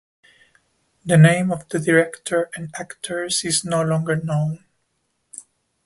The name of the director and actors is no longer known.